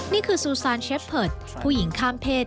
นี่คือสูซานเชฟเผิดผู้หญิงข้ามเพศ